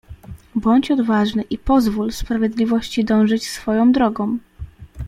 "Bądź odważny i pozwól sprawiedliwości dążyć swoją drogą."